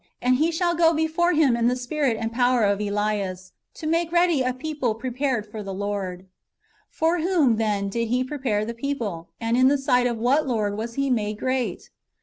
And he shall go before Him in the spirit and power of Elias, to make ready a people prepared for the Lord."* For whom, then, did he prepare the people, and in the sight of wdiat Lord was he made great?